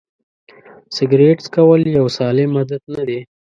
سیګرېټ څکول یو سالم عادت نه دی.